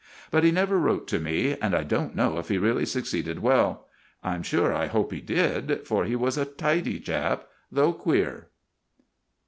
But he never wrote to me, and I don't know if he really succeeded well. I'm sure I hope he did, for he was a tidy chap, though queer.